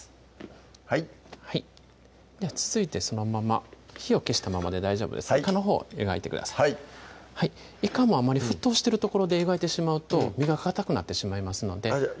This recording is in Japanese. はいでは続いてそのまま火を消したままで大丈夫ですいかのほうを湯がいてくださいはいいかもあんまり沸騰してるところで湯がいてしまうと身がかたくなってしまいますのでじゃあ